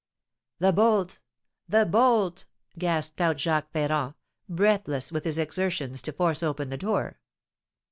"The bolt! The bolt!" gasped out Jacques Ferrand, breathless with his exertions to force open the door.